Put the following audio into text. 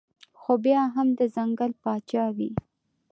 خو بيا هم د ځنګل باچا وي